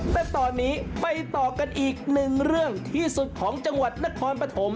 แต่ตอนนี้ไปต่อกันอีกหนึ่งเรื่องที่สุดของจังหวัดนครปฐม